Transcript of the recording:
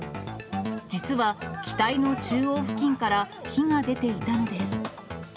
実は機体の中央付近から火が出ていたのです。